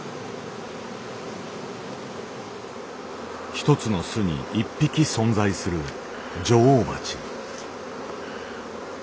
１つの巣に１匹存在する女王蜂。